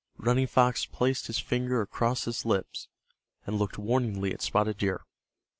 Running Fox placed his finger across his lips, and looked warningly at Spotted Deer.